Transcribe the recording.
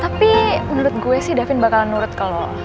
tapi menurut gue sih davin bakalan nurut ke lo